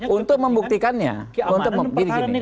untuk membuktikannya untuk membuktikan